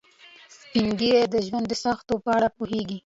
سپین ږیری د ژوند د سختیو په اړه پوهیږي